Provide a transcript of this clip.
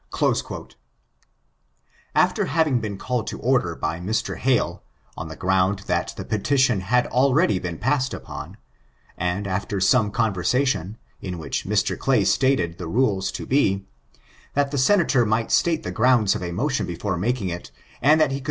[After having been called to order by Mr. Hale, on the ground that the petition had already been pa:^««d upon, and after some conversation, in which Mr. Clay stated the rules to be, that the Senator might state the grounds of a motion before making ii, and that he could »^^^^s^ ^^^^^^^k^^^^k^k^ ON ABOLITIONISM.